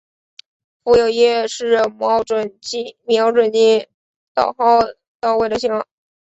附有夜视瞄准镜导轨的型号。